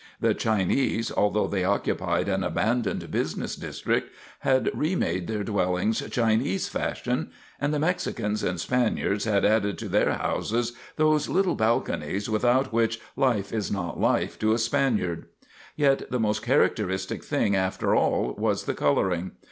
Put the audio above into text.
The Chinese, although they occupied an abandoned business district, had remade their dwellings Chinese fashion, and the Mexicans and Spaniards had added to their houses those little balconies without which life is not life to a Spaniard. Yet the most characteristic thing after all was the coloring.